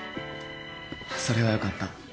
それはよかった。